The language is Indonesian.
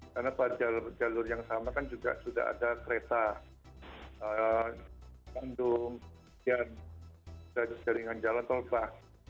karena pada jalur yang sama kan sudah ada kereta bandung dan jaringan jalan tolbah